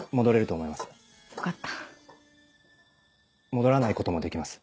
戻らないこともできます。